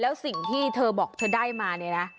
แล้วสิ่งที่เธอบอกเธอได้มาเนี่ยนะ